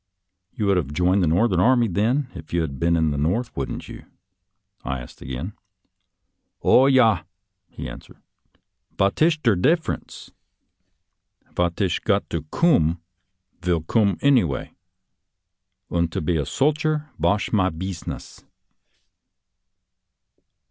" You would have joined the Northern Army, then, if you had been in the North, wouldn't you? " I asked again. " Oh, yah," he answered. "Vot ish der def ranee? Vat ish got to coom, vill coom anyvay, und to be a solcher vash my beezness."